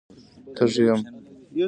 _تږی يم.